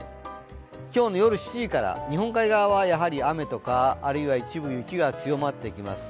今日の夜７時から、日本海側は雨とか、あるいは一部雪が強まってきます。